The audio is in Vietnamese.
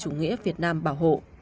chủ nghĩa việt nam bảo hộ